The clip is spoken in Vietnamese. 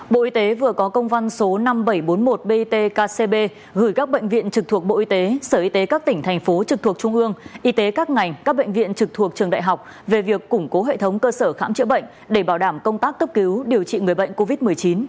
bộ y tế vừa có công văn số năm nghìn bảy trăm bốn mươi một bt kcb gửi các bệnh viện trực thuộc bộ y tế sở y tế các tỉnh thành phố trực thuộc trung ương y tế các ngành các bệnh viện trực thuộc trường đại học về việc củng cố hệ thống cơ sở khám chữa bệnh để bảo đảm công tác cấp cứu điều trị người bệnh covid một mươi chín